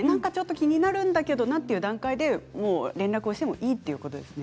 気になるという段階で連絡してもいいということですね。